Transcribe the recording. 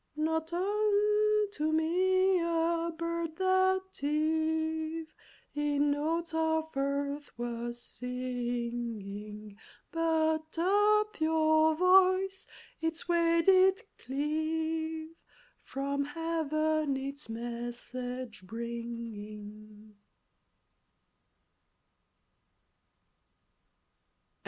Not unto me a bird, that eve, In notes of earth was singing, But a pure voice its way did cleave From Heaven its message bringing!